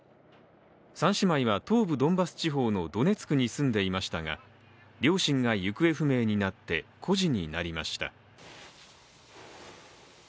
３姉妹は東部ドンバス地方のドネツクに住んでいましたが両親が行方不明になって孤児になりました。